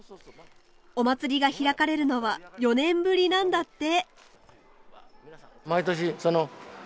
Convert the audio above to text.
お祭りが開かれるのは４年ぶりなんだって。